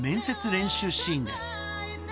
練習シーンです